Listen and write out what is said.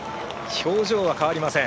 表情は変わりません。